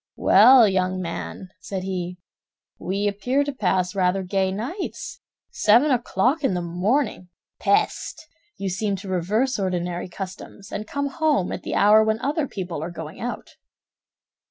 "Well, young man," said he, "we appear to pass rather gay nights! Seven o'clock in the morning! Peste! You seem to reverse ordinary customs, and come home at the hour when other people are going out."